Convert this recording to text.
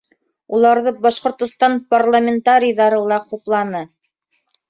Уларҙы Башҡортостан парламентарийҙары ла хупланы.